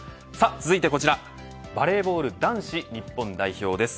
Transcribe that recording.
続いてこちらバレーボール男子日本代表です。